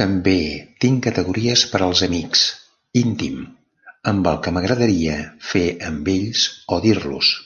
També tinc categories per als amics íntim amb el que m'agradaria fer amb ells o dir-los.